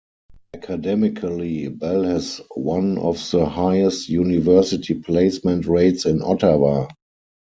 Academically, Bell has one of the highest university placement rates in Ottawa.